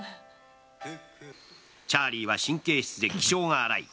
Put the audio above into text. チャーリーは神経質で気性が荒い。